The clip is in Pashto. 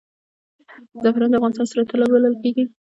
زعفران د افغانستان سره طلا بلل کیږي